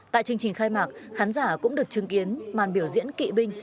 tại chương trình khai mạc khán giả cũng được chứng kiến màn biểu diễn kỵ binh